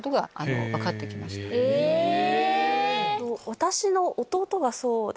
私の弟がそうですね。